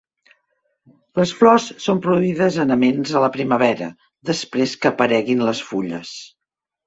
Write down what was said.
Les flors són produïdes en aments a la primavera, després que apareguin les fulles.